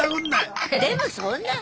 でもそんな。